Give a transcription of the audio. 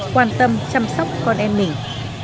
quan tâm chăm sóc con em mình